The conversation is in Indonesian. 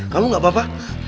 kamu gak apa apa